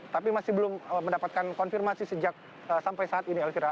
tapi masih belum mendapatkan konfirmasi sejak sampai saat ini elvira